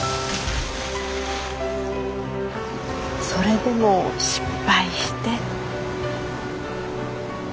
それでも失敗して。